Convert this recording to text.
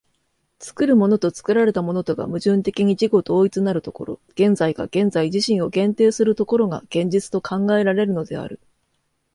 作るものと作られたものとが矛盾的に自己同一なる所、現在が現在自身を限定する所が、現実と考えられるのである。